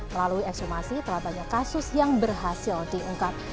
melalui ekshumasi telah banyak kasus yang berhasil diungkap